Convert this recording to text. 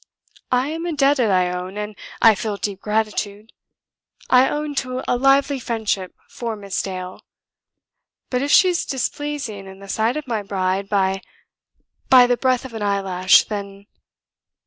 I am indebted, I own, and I feel deep gratitude; I own to a lively friendship for Miss Dale, but if she is displeasing in the sight of my bride by ... by the breadth of an eyelash, then